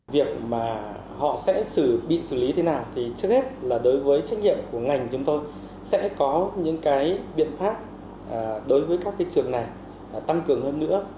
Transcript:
việc mà họ sẽ bị xử lý thế nào thì trước hết là đối với trách nhiệm của ngành chúng tôi sẽ có những cái biện pháp đối với các trường này tăng cường hơn nữa